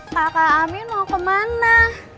kak kang amin mau kemana